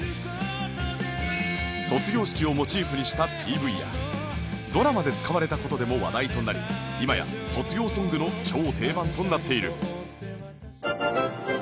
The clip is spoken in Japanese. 卒業式をモチーフにした ＰＶ やドラマで使われた事でも話題となり今や卒業ソングの超定番となっている